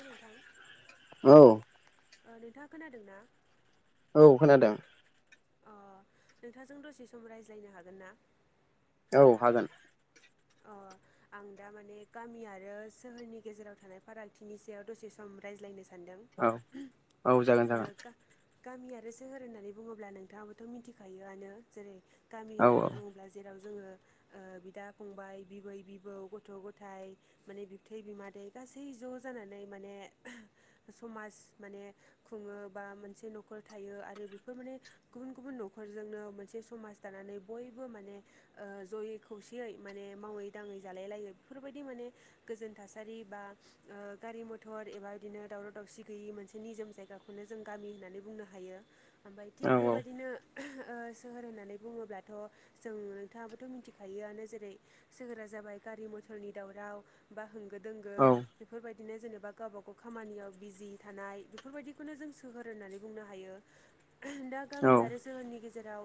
नोंथां औ नोंथाङा खोनादों ना औ खोनादों अ नोंथांजों दसे सम रायज्लायनो हागोन ना औ हागोन अ आं दा माने गामि आरो सोहोरनि गेजेराव थानाय फारागथिनि सायाव दसे सम रायज्लायनो सानदों औ औ जागोन जागोन गामि आरो सोहोर होननानै बुङोब्ला नोंथाङाबोथ' मिथिखायोआनो जेरै गामि औ होननानै बुङोब्ला जेराव जोङो बिदा फंबाय बिबै बिबौ गथ' गथाय माने बिबथै बिमादै गासै ज' जानानै माने समाज माने खुङो बा मोनसे न'खर थायो आरो बेफोर माने गुबुन गुबुन न'खरजोंनो मोनसे समाज दानानै बयबो माने जयै खौसेयै माने मावै दाङै जालाय लायो बेफोरबायदि माने गोजोन थासारि बा गारि मथर एबा बिदिनो दावराव दावसि गैयै मोनसे निजोम जायग खौनो जों गामि होननानै बुंनो हायो ओमफ्राय औ थिग बेबायदिनो सोहोर होननानै बुङोब्लाथ' जों नोंथाङाबोथ' मिथिखायोआनो जेरै सहोरा जाबाय गारि मथरनि दावराव बा होंगो दोंगो औ बेफोरबायदिनो जेनेबा गावबा गाव खामानियाव बिजि थानाय बेफोरबायदि बेखौनो जों सोहोर होननानै बुंनो हायो दा गामि आरो सोहोरनि गेजेराव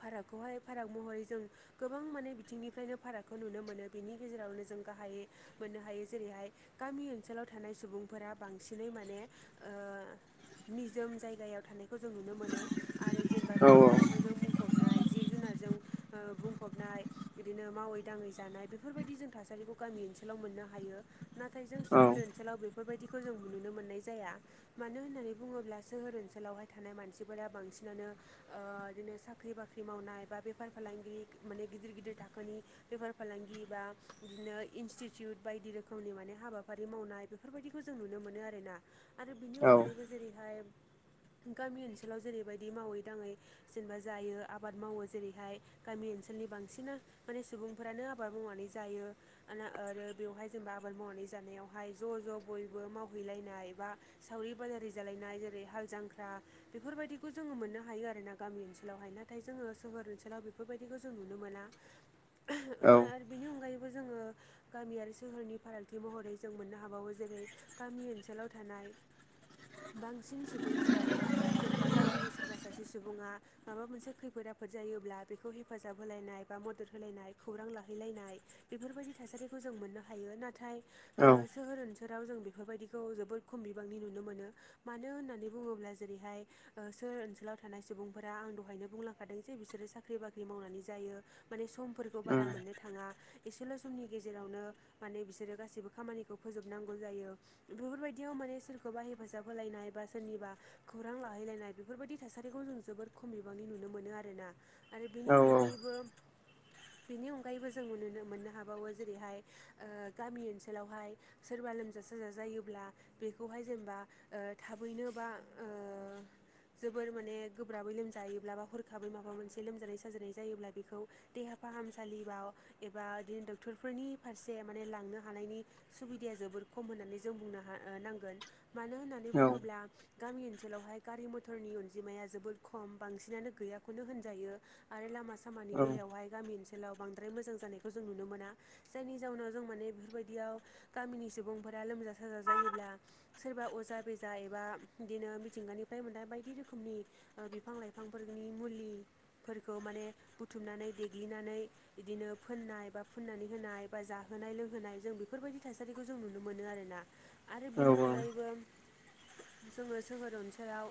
फारागखौहाय फाराग महरै जों गोबां माने बिथिंनिफ्रायनो फारागखौ नुनो मोनो बिनि गेजेरावनो जों गाहायै मोननो हायो जेरैहाय गामि ओनसोलाव थानाय सुबुंफोरा बांसिनै माने ओ निजोम जायगायाव थानायखौ जों नुनो मोनो आरो जेनेबा बिफां लाइफांजों बुंफबनाय जिब जुनारजों ओ बुंफबनाय बिदिनो मावै दाङै जानाय बेफोरबायदि जों थासारिखौ गामि ओनसोलाव मोननो हायो। नाथाय जों सोहोर औ ओनसोलाव बेफोरबायदिखौ जों नुनो मोननाय जाया मानो होननानै बुङोब्ला सोहोर ओनसोलावहाय थानाय मानसिफोरा बांसिनानो ओ बिदिनो साख्रि बाख्रि मावनाय बा बेफार फालांगिरि माने गिदिर गिदिर थाखोनि बेफार फालांगि बा बिदिनो इनस्टिटिउट बायदि रोखोमनि माने हाबाफारि मावनाय बेफोरबायदिखौ जों नुनो मोनो आरोना। आरो बिनि अनगायैबो जेरैहाय गामि ओनसोलाव जेरैबायदि मावै दाङै जेनेबा जायो आबाद मावो जेरैहाय गामि ओनसोलनि बांसिना माने सुबुंफोरानो आबाद मावनानै जायो। आरो बेवहाय जेनेबा आबाद मावनानै जानायावहाय ज' ज' बयबो मावहैलायनाय ए बा सावरि बाजारि जालायनाय जेरै हाल जांख्रा बेफोरबायदिखौ जोङो मोननो हायो आरोोना गामि ओनसोलावहाय नाथाय जोङो सोहोर ओनसोलाव बेफोर बेफोरबायदिखौ जों नुनो मोना औ आरो बेनि अनगायैबो जोङो गामि आरो सोहोरनि फारागथि महरै जों मोननो हाबावो जेरै गामि ओनसोलाव थानाय बांसिन सुबुंफोरानो जेनेबा गामिनि सोरबा सासे सुबुङा। माबा मोनसे खैफोद आफोद जायोब्ला बेखौ हेफाजाब होलायनाय बा मदद होलायनाय खौरां लाहैलायनाय बेफोरबायदि थासारिखौ जों मोननो हायो नाथाय सोहोर ओनसोलाव जों बेफोरबायदिखौ जोबोद खम बिबांनि नुनो मोनो मानो होननानै बुङोब्ला जेरैहाय सोर ओनसोलाव थानाय सुबुंफोरा आं दहायनो बुंलांखादों जे बिसोरो साख्रि बाख्रि मावनानै जायो। माने समफोरखौ बारा मोननो थाङा एसेल' समनि गेजेरावनो माने बिसोरो गासैबो खामानिखौ फोजोबनांगौ जायो। बेफोरबायदियाव माने सोरखौबा हेफाजाब होलायनाय बा सोरनिबा खौरां लाहैलायनाय बेफोरबायदि थासारिखौ जों जोबोर खम बिबांनि नुनो मोनो आरोना आरो बेनि अनगायैबो बेनि अनगायैबो जों नुनो मोननो हाबावो जेरैहाय गामि ओ ओनसोलावहाय सोरबा लोमजा साजा जायोब्ला बेखौ खौहाय जेनेबा थाबैनो बा ओ जोबोर माने गोब्राबै लोमजायोब्ला बा हरखाबै माबा मोनसे लोमजानाय साजानाय जायोब्ला बेखौ देहा फाहामसालि बाव एबा बिदिनो डक्टरफोरनि फारसे माने लांनो हानायनि सुबिदाया जोबोर खम होननानै जों बुंनो ह नांगोन मानो होननानै औ बुङोब्ला गामि ओनसोलावहाय गारि मथरनि अनजिमाया जोबोद खम बांसिनानो गैयाखौनो होनजायो। आरो लामा सामानि उम बेलायावहाय गामि ओनसोलाव बांद्राय मोजां जानायखौ जों नुनो मोना जायनि जाउनाव जों माने बेफोरबायदियाव गामिनि सुबुंफोरा लोमजा साजा जायोब्ला सोरबा अजा बेजा एबा बिदिनो मिथिंगानिफ्राय मोना बायदि रोखोमनि बिफां लाइफांफोरनि मुलिफोरखौ माने बुथुमनानै देग्लिनानै बिदिनो फोननाय बा फुननानै होनाय बा जाहोनाय लोंहोनाय जों बेफोरबायदि थासारिखौ खौ जों नुनो मोनो आरोना आरो औ बेनि औ अनगायैबो जोंङो सोहोर ओनसोलाव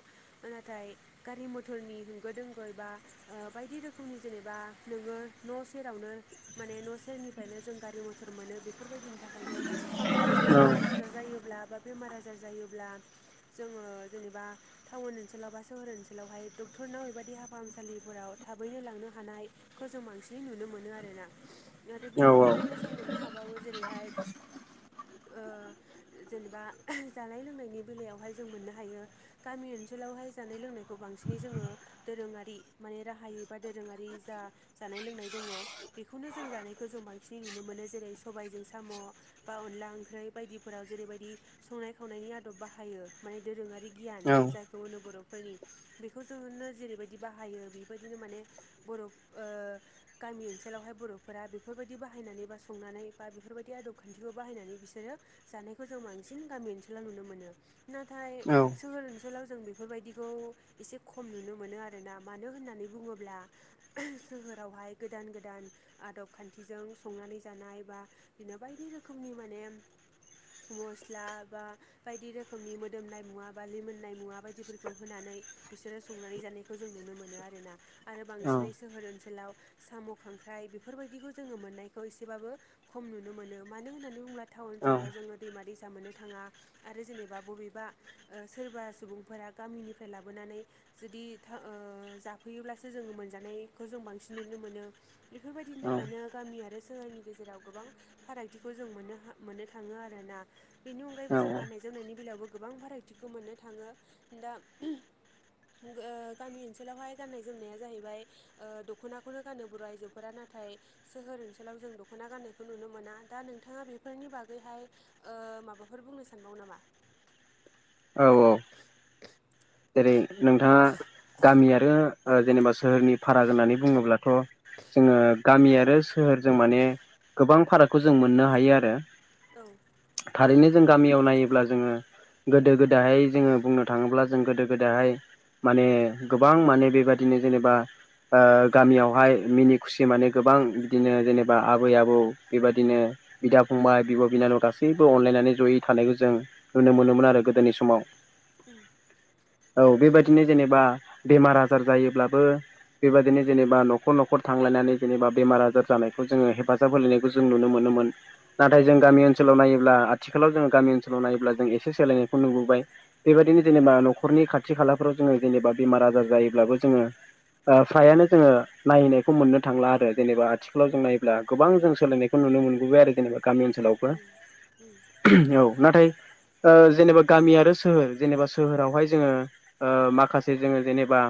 नाथाय गारि मथरनि होंगो दोंगो बा ओ बायदि रोखोमनि जेनेबा नोंङो न' सेरावनो माने न' सेरनिफ्रायनो जों गारि मथर मोनो बेफोरबायदिनि थाखायनो माबा मोनसे औ औ लोमजा साजा जायोब्ला बा बेमार आजार जायोब्ला जोंङो जेनेबा टाउन ओनसोलाव बा सोहोर ओनसोलावहाय डक्टरनाव बेबदि दहा फाहामसालिफोराव थाबैनो लांनो हानाय गोजौ बांसिनै नुनो मोनो आरोना आरो बेनि अनगायैबो जों मोननो हाब गबावो जेरैहाय ओ जेनेबा जानाय लोंनायनि बेलायावहाय जों मोननो हायो गामि ओनसोलावहाय जानाय लोंनायखौ बांसिनै जोङो दोरोंङारि माने राहायै बा दोरोंङारि जा जानाय लोंनाय दंङो। बेखौनो जों जानायखौ जों बांसिनै नुनो मोनो जेरै सबायजों साम' बा अनला ओंख्रि बायदिफोराव जेरैबायदि संनाय खावनायनि आदब बाहायो माने दोरोंङारि गियान जाय खौहोनो बर'फोरनि बेखौ जोंनो जेरैबायदि बाहायो बेबायदिनो माने बर'ओ गामि ओनसोलावहाय बर'फोरा बेफोरबायदि बाहायनानै बा संनानै बा बेफोरबायदि आदब खान्थिखौ बाहायनानै बिसोरो जानायखौ जों बांसिन गामि ओनसोलाव नुनो मोनो नाथाय सोहोर ओनसोलाव जों बे बेफोरबायदिखौ एसे खम नुनो मोनो आरोना मानो होननानै बुंङोब्ला सोहोरावहाय गोदान गोदान आदब खान्थिजों संनानै जानाय बा बिदिनो बायदि रोखोमनि माने मस्ला बा बायदि रोखोमनि मोदोमनाय मुवा बा लिमोननाय मुवा बायदिफोरखौ होनानै बिसोरो संनानै जानायखौ जों नुनो मोनो आरोना। आरो बांसिनै सोहोर ओनसोलाव साम' खांख्राइ बेफोरबायदिखौ जोङो मोननायखौ एसेबाबो खम नुनो मोनो मानो होननानै बुब्ला टाउन सहराव जोङो दैमा दैसा मोननो थांङा आरो जेनेबा बबेबा सोरबा सुबुंफोरा गामिनिफ्राय लाबोनानै जुदि था ओ जाफैयोब्लासो जोंङो मोनजानायखौ जों बांसिन नुनो मोनो बेफोरबायदिनि थाखायनो गामि आरो सोहोरनि गेजेराव गोबां फारागथिखौ जों मोननो हा मोननो थांङो आरोना। बेनि अनगायैबो जों औ गाननाय जोमनायनि बेलायावबो गोबां भेराइटिखौ मोननो थाङो दा गो गामि ओनसोलावहाय गाननाय जोमनाया जाहैबाय ओ दख'नाखौनो गानो बर' आइजोफोरा नाथाय सोहोर ओनसोलाव जों दख'ना गान्नायखौ नुनो मोना दा नोंथाङा बेफोरनि बागैहाय ओ माबाफोर बुंनो सानबावो नामा। औ औ जेरै नोंथांङा गामि आरो ओ जेनेबा सोहोरनि फाराग होननानै बुंङोब्लाथ' जोंङो गामि आरो सोहोरजों माने गोबां फारागखौ जों मोननो हायो आरो औ थारैनो जों गामियाव नायोब्ला जोंङो गोदो गोदायहाय जोंङो बुंनो थाङोब्ला जों गोदाहाय माने गोबां माने बेबायदिनो जेनेबा ओ गामियावहाय मिनि खुसि माने गोबां बिदिनो जेनेबा आबै आबौ बेबदिनो बिदा फंबाय बिब' बिनानाव गासैबो अनलाायनानै जयै थानायखौ जों नुनो मोनोमोन आरो गोदोनि समाव। ओ औ बेबायदिनो जेनेबा बेमार आजार जायोब्लाबो बेबायदिनो जेनेबा न'खर न'खर थांलायनानै जेनेबा बेमार आजार जानायखौ जोङो हेफाजाब होलायो खौ जों नुनो मोनोमोन। नाथाय औ जों गामि ओनसोलाव नायोब्ला आथिखालाव जों गामि ओनसोलाव नायोब्ला जों एसे सोलायनायखौ नुबोबाय बेबायदिनो उम जेनेबा न'खरनि खाथि खालाफ्राव जोङो जेनेबा बेमार आजार जायोब्लाबो जोङो ओ फ्रायानो जोङो नायहैनायखौ मोननो थांला आरो जेनेबा आथिखालाव जों नायोब्ला गोबां जों सोलायनायखौ नुनो मोनबोबाय आरो जेनेबा गामि ओनसोलावबो उम उम औ नाथाय ओ जेनेबा गामि आरो सोहोर जेनेबा सोहोरावहाय जोङो ओ माखासे जोङो जेनेबा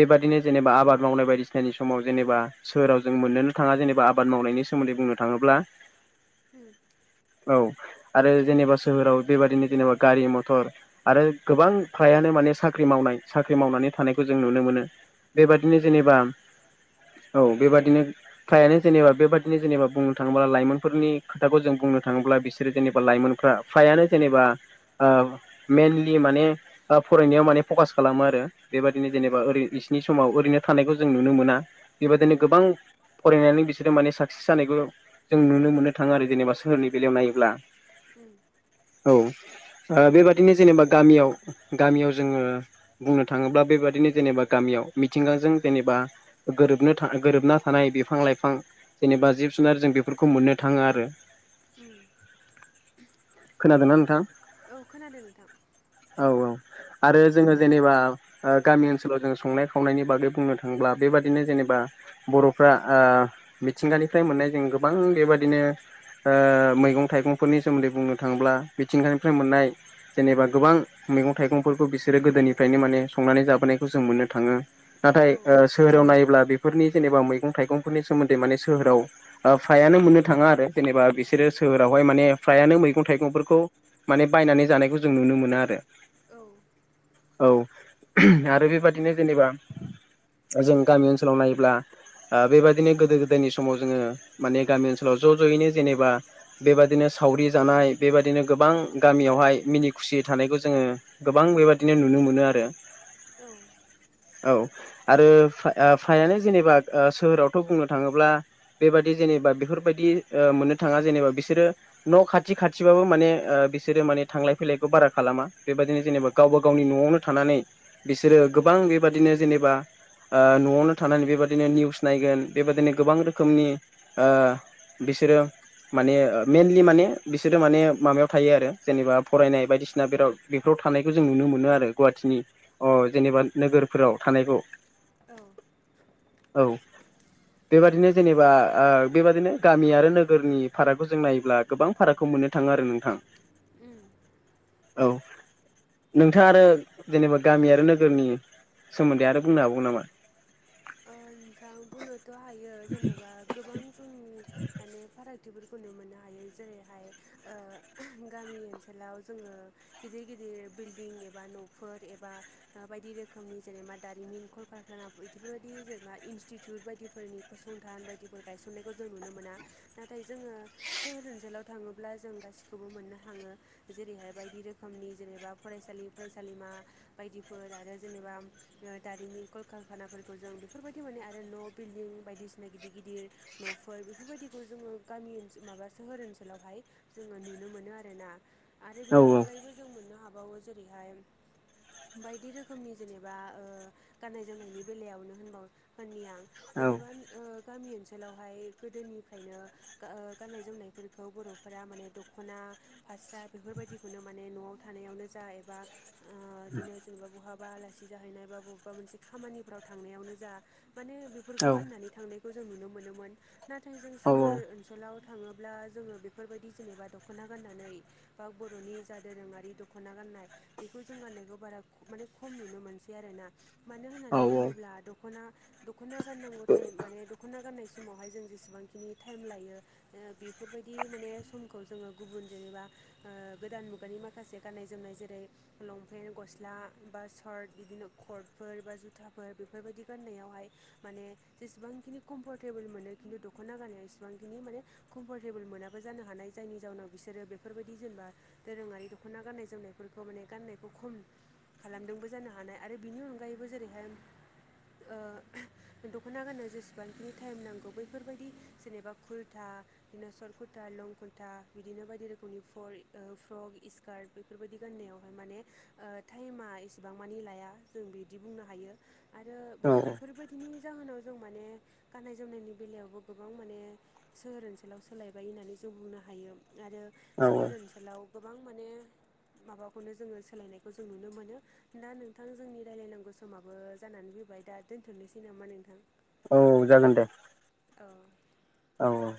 बेबादिनो जेनेबा आबाद मावनाय बायदिसिनानि समाव जेनेबा साहोराव जों मोननोनो थाङा जेनेबा आबाद मावनायनि सोमोन्दै बुंनो थाङोब्ला हो औ आरो जेनेबा सोहोराव बेबादिनो जेनेबा गारि मथर आरो गोबां फ्रायानो माने साख्रि मावनाय साख्रि मावनानै थानायखौ जों नुनो मोनो उम बेबादिनो जेनेबा औ बेबादिनो फ्रायानो जेनेबा बेबादिनो जेनेबा बुंनो थाङोब्ला लाइमोनफोरनि खोथाखौ जों बुंनो थाङोब्ला बिसोरो जेनेबा लाइमोनफ्रा फायानो जेनेबा ओ मेइनलि माने ओ फरायनायाव माने फकास खालामो आरो बेबादिनो जेनेबा ओरै इस नि समाव ओरैनो थानायखौ जों नुनो मोना उम बेबायदिनो गोबां फरायनानै बिसोरो माने साक्सेस जानायखौ जों नुनो मोननो थाङो आरो जेनेबा सोहोरनि बेलायाव नायोब्ला हो औ ओ बेबादिनो जेनेबा गामियाव गामियाव जोङो बुंनो थाङोब्ला बेबादिनो जेनेबा गामियाव मिथिंगाजों जेनेबा ओ गोरोबनो थाखाय ओ गोरोबना थानाय बिफां लाइफां जेनेबा जिब जुनार जों बेफोरखौ मोननो थाङो आरो उम खोनादों ना नोंथां? औ खोनादों नोंथां। औ औ आरो जोङो जेनेबा ओ गामि ओनसोलाव जों संनाय खावनायनि बागै बुंनो थाङोब्ला बेबादिनो जेनेबा बर'फ्रा ओ मिथिंगानिफ्राय मोननाय जों गोबां बेबादिनो ओ मैगं थाइगंफोरनि सोमोन्दै बुंनो थाङोब्ला मिथिंगानिफ्राय मोननाय जेनेबा गोबां मैगं थायगंफोरखौ बिसोरो गोदोनिफ्रायनो माने संनानै जाबोनायखौ जों मोननो थाङो नाथाय औ ओस सोहोराव नायोब्ला बेफोरनि जेनेबा मैगं थाइगंफोरनि सोमोन्दै माने सोहोराव ओ फायानो मोननो थाङा आरो जेनेबा बिसोरो सोहोरावहाय माने फ्रायानो मैगं थाइगंफोरखौ माने बायनानै जानायखौ जों नुनो मोनो आरो औ औ आरो बेबादिनो जेनेबा जों गामि ओनसोलाव नायोब्ला ओ बेबादिनो गोदो गोदायनि समाव जोङो माने गामि ओनसोलाव ज' ज'यैनो जेनेबा बेबादिनो सावरि जानाय बेबादिनो गोबां गामियावहाय मिनि खुसि थानायखौ जोङो गोबां बेबादिनो नुनो मोनो आरो औ औ आरो फाया फायानो जेनेबा ओ सोहोरावथ' बुंनो थाङोब्ला बेबादि जेनेबा बेफोरबायदि ओ मोननो थाङा जेनेबा बिसोरो न' खाथि खाथिबाबो माने ओ बिसोरो माने थांलाय फैलायखौ बारा खालामा। बेबादिनो जेनेबा गावबा गावनि न'आवनो थानानै बिसोरो गोबां बेबादिनो जेनेबा ओ न'आवनो थानानै बेबादिनो निउस नायगोन बेबादिनो गोबां रोखोमनि ओ बिसोरो माने ओ मेइनलि माने बिसोरो माने माबायाव थायो आरो जेनेबा फरायनाय बायदिसिना फोराव बेफोराव थानायखौ जों नुनो मोनो आरो गुवाहाटिनि अ जेनेबा नोगोरफोराव थानायखौ औ औ बेबादिनो जेनेबा ओ बेबादिनो गामि आरो नोगोरनि फारागखौ जों नायोब्ला गोबां फारागखौ मोननो थाङो आरो नोंथां उम औ नोंथाङा आरो जेनेबा गामि आरो नोगोरनि सोमोन्दै आरो बुंनो हाबावगोन नामा? ओ नोंथां बुंनोथ' हायो जेनेबा गोबां जोंनि माने फारागथिफोरखौ नु मोननो हायो जेरैहाय ओ गामि ओनसोलाव जोङो गिदिर गिदिर बिल्डिं एबा न'फोर एबा ओ बायदि रोखोमनि जेनेबा दारिमिन कलखारखाना बैद बेफोरबायदि जेनेबा इनस्टिटिउट बायदिफोरनि फसंथान बायदिफोर गायसननायखौ जों नुनो मोना। नाथाय जोङो सोहोर ओनसोलाव थाङोब्ला जों गासिखौबो मोननो हाङो। जेरैहाय बायदि रोखोमनि जेनेबा फरायसालि फरायसालिमा बायदिफोर आरो जेनेबा दारिमि कलकारखाना फोरखौ जों बेफोरबायदि माने आरो न' बिल्डिं बायदिसिना गिदिर गिदिर न'फोर बेफोरबायदिखौ जोङो गामि ओनसोल माबा सोहोर ओनसोलावहाय जोङो नुनो मोनो आरोना आरो औ बेनि अनगायैबो जों मोननो हाबावो जेरैहाय बायदि रोखोमनि जेनेबा ओ गाननाय जोमनायनि बेलायावनो होनबाव होननि आं औ जेनेबा गामि ओ ओनसोलावहाय गोदोनिफ्रायनो ओ गाननाय जोमनायफोरखौ बर'फोरा माने दख'ना फास्रा बेफोरबायदिखौनो माने न'आव थानायावनो जा एबा ओ इदिनो जेनेबा बहाबा आलासि जाहैनाय बा बबेबा मोनसे खामानिफ्राव थांनायावनो जा माने बेफोरखौ औ गाननानै थांनायखौ जों नुनो मोनोमोन। नाथाय जों औ सोहोर ओनसोलाव थाङोब्ला जोङो बेफोरबायदि जेनेबा दख'ना गाननानै बा बर'नि जा दोरोङारि दख'ना गाननाय बेखौ जों गाननायखौ बारा माने खम नुनो मोनसै आरोना। मानो होननानै औ औ बुङोब्ला दख'ना दख'ना गाननांगौ थाएम माने दख'ना गाननाय समावहाय जों जेसेबांखिनि थाइम लायो बेफोरबायदि माने सम खौ जोङो गुबुन जेनेबा ओ गोदान मुगानि माखासे गाननाय जोमनाय जेरै लंपेन्ट गस्ला बा सार्ट बिदिनो कर्टफोर बा जुथा फोर बेफोरबायदि गाननायावहाय माने जेसेबांखिनि कम्फरटेबोल मोनो खिन्थु दख'ना गाना एसेबांखिनि माने कम्फरटेबोल मोनाबो जानो हानाय जायनि जाउनाव बिसोरो बेफोरबायदि जेनेबा दोरोङारि दख'ना गाननाय जोमनायफोरखौ माने गाननायखौ खम खालामदोंबो जानो हानाय आरो बिनि अनगायैबो जेरैहाय ओ दख'ना गाननायाव जेसेबांखिनि थाइम नांगौ बैफोरबायदि जेनेबा कुर्था बिदिनो सर कुरटा लं कुरटा बिदिनो बायदि रोखोमनि फल ओ फ्रक इस कार्ड बेफोरबायदि गाननायावहाय माने ओ थाइमा एसेबां मानि लाया जों बिदि बुंनो हायो। आरो माने औ बेफोरबायदिनि जाहोनाव जों माने गाननाय जोमनायनि बेलायावबो गोबां माने सोहोर ओनसोलाव सोलायबाय होननानै जों बुंनो हायो आरो औ सोहोर औ ओनसोल लाव गोबां माने माबाखौनो जोङो सोलायनायखौ जों नुनो मोनो दा नोंथां जोंनि रायलायनांगौ समाबो जानानै फैबाय दा दोनथ'नोसै नामा नोंथां? औ जागोन दे औ औ औ।